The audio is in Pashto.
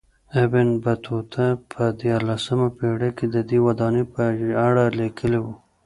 ابن بطوطه په دیارلسمه پېړۍ کې ددې ودانۍ په اړه لیکلي و.